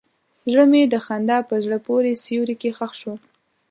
زړه مې د خندا په زړه پورې سیوري کې ښخ شو.